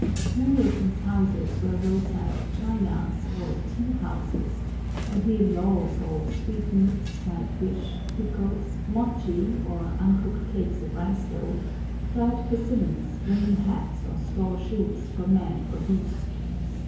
Many of these houses were road side chayas, or tea houses, and nearly all sold sweet meats, dried fish, pickles, mochi, or uncooked cakes of rice dough, dried persimmons, rain hats, or straw shoes for man or beast.